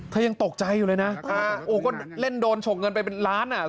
ยังตกใจอยู่เลยนะโอ้ก็เล่นโดนฉกเงินไปเป็นล้านอ่ะ